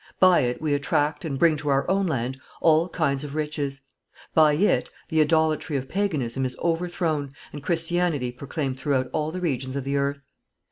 By it we attract and bring to our own land all kinds of riches; by it the idolatry of Paganism is overthrown and Christianity proclaimed throughout all the regions of the earth.